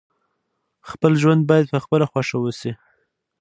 خپل ژوند باید په خپله خوښه وسي.